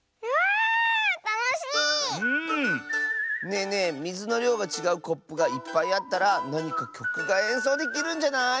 ねえねえみずのりょうがちがうコップがいっぱいあったらなにかきょくがえんそうできるんじゃない？